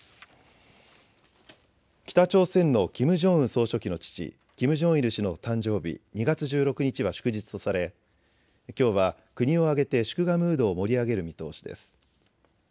北朝鮮のキム・ジョンウン総書記の父、キム・ジョンイル氏の誕生日、２月１６日は祝日とされきょうは国を挙げて祝賀ムードを盛り上げる見通しです。